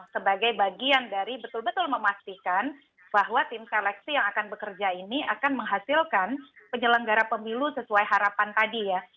sebagai bagian dari betul betul memastikan bahwa tim seleksi yang akan bekerja ini akan menghasilkan penyelenggara pemilu sesuai harapan tadi ya